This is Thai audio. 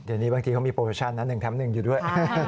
เดี๋ยวนี้บางทีเขามีโปรโมชั่นนะ๑แถม๑อยู่ด้วย